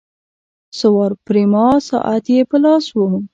سوار پریما ساعت یې په لاس وو.